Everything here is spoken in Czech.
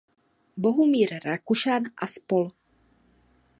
Bohumír Rakušan a spol.